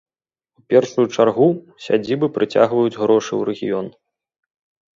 У першую чаргу, сядзібы прыцягваюць грошы ў рэгіён.